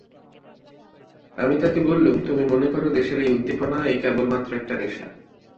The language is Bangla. আমি তাঁকে বললুম, তুমি মনে কর দেশের এই উদ্দীপনা এ কেবলমাত্র একটা নেশা!